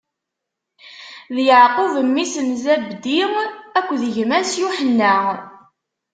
D Yeɛqub, mmi-s n Zabdi akked gma-s Yuḥenna.